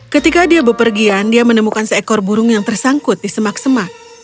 ketika dia bepergian dia menemukan seekor burung yang tersangkut di semak semak